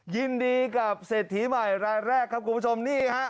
ยินดีกับเศรษฐีใหม่รายแรกครับคุณผู้ชมนี่ฮะ